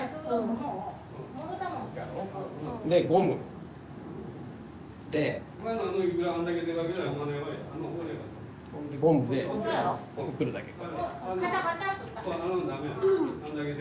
ゴムでくくるだけ。